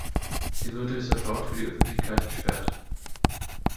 Sie wurde sofort für die Öffentlichkeit gesperrt.